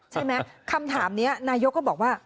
ใช่ไหมคำถามนี้นายกก็บอกว่า